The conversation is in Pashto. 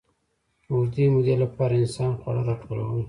د اوږدې مودې لپاره انسان خواړه راټولول.